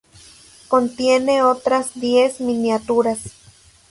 Contiene otras diez miniaturas.